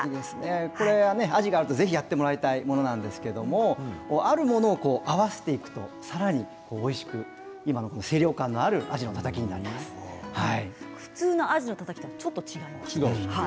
アジがあるとぜひやってもらいたいものなんですけれどもあるものを合わせていくとさらにおいしく清涼感のある普通のアジのたたきとちょっと違います。